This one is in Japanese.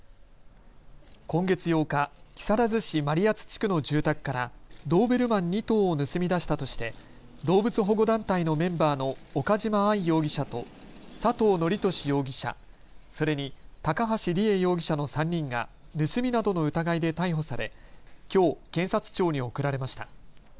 今月８日、木更津市真里谷地区の住宅からドーベルマン２頭を盗み出したとして動物保護団体のメンバーの岡島愛容疑者と佐藤徳壽容疑者それに高橋里衣容疑者の３人が盗みなどの疑いで逮捕されきょう検察庁に送られました。